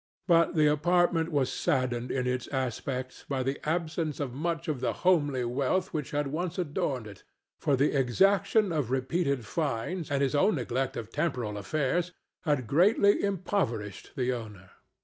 But the apartment was saddened in its aspect by the absence of much of the homely wealth which had once adorned it, for the exaction of repeated fines and his own neglect of temporal affairs had greatly impoverished the owner.